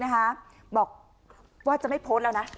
บอกว่าจะไม่โพสต์แล้วนะ